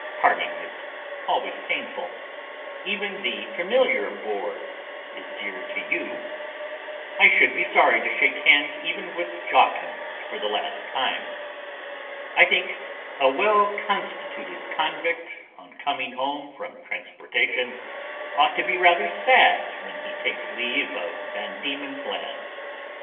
Parting is always painful. Even the familiar bore is dear to you. I should be sorry to shake hands even with Jawkins for the last time. I think a well constituted convict, on coming home from transportation, ought to be rather sad when he takes leave of Van Diemen's Land.